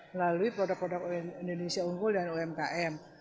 melalui produk produk indonesia unggul dan umkm